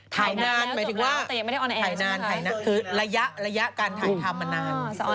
ถ่ายนานหมายถึงว่า